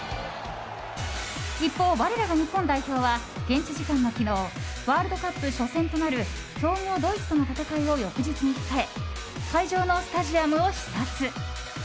一方、我らが日本代表は現地時間の昨日ワールドカップ初戦となる強豪ドイツとの戦いを翌日に控え会場のスタジアムを視察。